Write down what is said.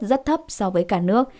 rất thấp so với cả nước